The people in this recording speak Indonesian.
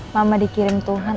mama dikirim tuhan